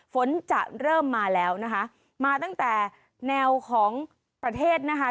ฝนจะเริ่มมาแล้วนะคะมาตั้งแต่แนวของประเทศนะคะ